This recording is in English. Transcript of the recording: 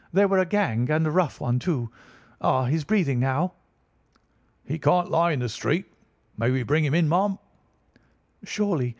They were a gang, and a rough one, too. Ah, he's breathing now." "He can't lie in the street. May we bring him in, marm?" "Surely.